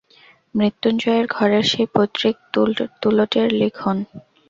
মৃত্যুঞ্জয়ের ঘরের সেই পৈতৃক তুলটের লিখন!